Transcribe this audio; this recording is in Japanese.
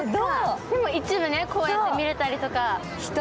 でも一部こうやって見れたりとか。